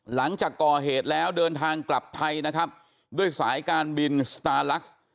หลังจากก่อเหตุแล้วเดินทางกลับไทยนะครับด้วยสายการบินสตาร์ลัก